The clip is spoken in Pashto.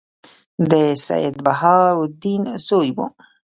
د سیدبهاءالدین زوی وو.